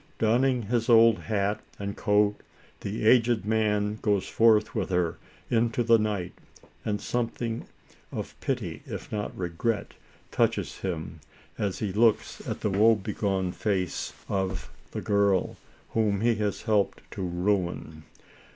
Donning his old hat and coat, the aged man goes forth with her into the night, and something of pity, if not regret, touches him, as he looks at the woe begone face of the girl, whom he has helped to ruin.